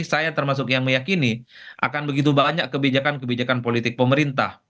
saya termasuk yang meyakini akan begitu banyak kebijakan kebijakan politik pemerintah